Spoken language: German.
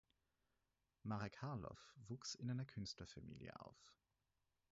Marek Harloff wuchs in einer Künstlerfamilie auf.